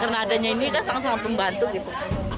karena adanya ini kan sangat sangat membantu gitu